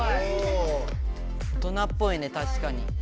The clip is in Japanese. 大人っぽいねたしかに。